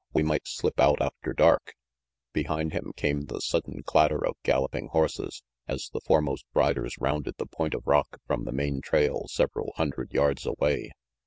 We might slip out after dark Behind him came the sudden clatter of galloping horses, as the foremost riders rounded the point of rock from the main trail several hundred yards away.